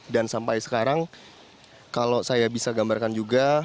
dan sampai sekarang kalau saya bisa gambarkan juga